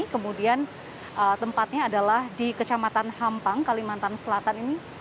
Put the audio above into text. kemudian tempatnya adalah di kecamatan hampang kalimantan selatan ini